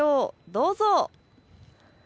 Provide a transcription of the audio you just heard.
どうぞ。